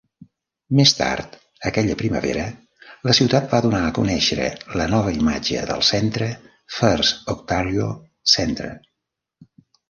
Més tard aquella primavera, la ciutat va donar a conèixer la nova imatge del centre FirstOntario Centre.